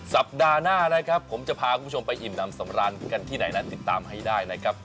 สัปดาห์หน้านะครับผมจะพาคุณผู้ชมไปอิ่มน้ำสำราญกันที่ไหนนั้นติดตามให้ได้นะครับ